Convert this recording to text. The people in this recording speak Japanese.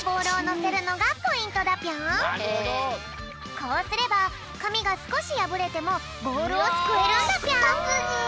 こうすればかみがすこしやぶれてもボールをすくえるんだぴょん！